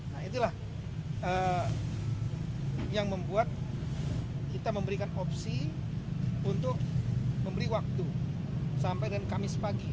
nah itulah yang membuat kita memberikan opsi untuk memberi waktu sampai dengan kamis pagi